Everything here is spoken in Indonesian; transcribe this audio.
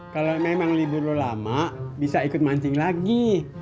kalau memang libur lama bisa ikut mancing lagi